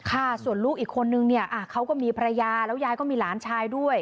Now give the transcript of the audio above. ค่ะส่วนลูกอีกคนนึงเนี่ยเขาก็มีภรรยาแล้วยายก็มีหลานชายด้วย